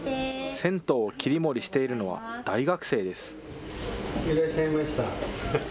銭湯を切り盛りしているのは、大学生です。